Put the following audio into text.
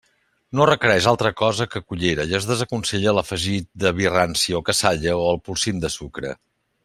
No requereix altra cosa que cullera i es desaconsella l'afegit de vi ranci o cassalla o el polsim de sucre.